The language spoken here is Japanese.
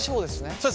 そうです。